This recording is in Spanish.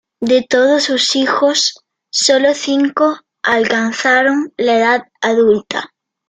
De todos sus hijos, sólo cinco alcanzaron la edad adulta.